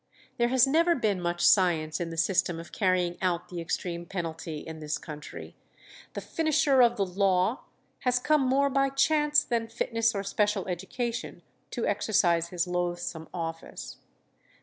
There has never been much science in the system of carrying out the extreme penalty in this country; the "finisher of the law" has come more by chance than fitness or special education to exercise his loathsome office.